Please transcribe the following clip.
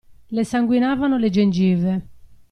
Le sanguinavano le gengive.